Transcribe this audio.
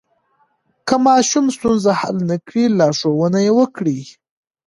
که ماشوم ستونزه حل نه کړي، لارښوونه یې وکړئ.